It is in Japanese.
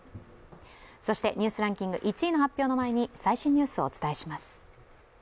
そして、「ニュースランキング」１位の発表の前に最新ニュースをお伝えします。